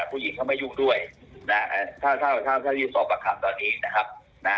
ผู้หญิงเขาไม่ยุ่งด้วยถ้าที่สอบประคับตอนนี้นะครับ